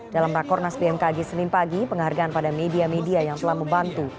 dalam rakornas bmkg senin pagi penghargaan pada media media yang telah membantu